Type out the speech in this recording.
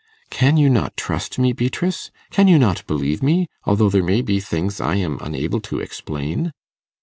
'Can you not trust me, Beatrice? Can you not believe me, although there may be things I am unable to explain?